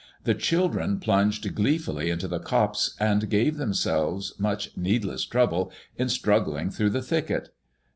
The children plunged gleefully into the copse, and gave themselves much need less trouble in struggling through the thicket.